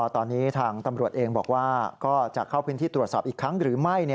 ตอนนี้ทางตำรวจเองบอกว่าก็จะเข้าพื้นที่ตรวจสอบอีกครั้งหรือไม่